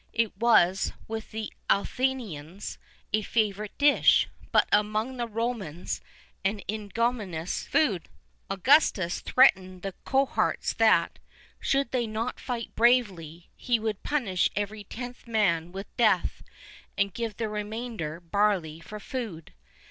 [II 5] It was, with the Athenians, a favourite dish, but among the Romans an ignominious food. Augustus threatened the cohorts that, should they not fight bravely, he would punish every tenth man with death, and give the remainder barley for food.